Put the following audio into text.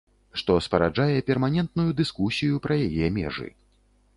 Што спараджае перманентную дыскусію пра яе межы.